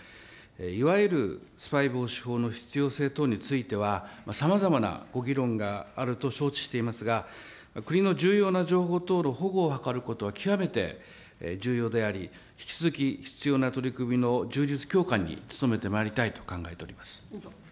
いわゆるスパイ防止法の必要性等については、さまざまなご議論があると承知していますが、国の重要な情報等の保護を図ることは、極めて重要であり、引き続き必要な取り組みの充実、強化に努めてまいりたいと考えております。